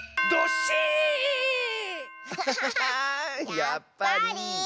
やっぱり。